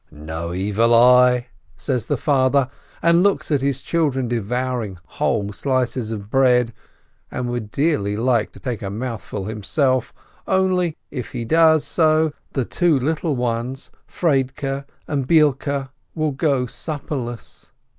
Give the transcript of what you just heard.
"No evil eye," says the father, and he looks at his children devouring whole slices of bread, and would dearly like to take a mouthful himself, only, if he does so, the two little ones, Fradke and Beilke, will go sup perless.